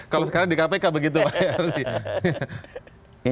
kalau sekarang di kpk begitu pak yardi